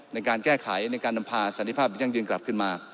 ในการแก้ไขในการนำพาสันติภาพยั่งยืนกลับขึ้นมา